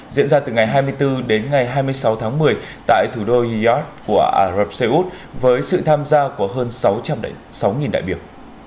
diễn ra từ ngày hai mươi bốn đến ngày hai mươi sáu tháng một mươi tại thủ đô yad của ả rập xê út với sự tham gia của hơn sáu đại biểu